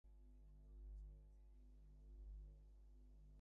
কেন জানতে চাইছি জিজ্ঞেস করলে আমি বলি, তাতে তোমার কাজ নেই।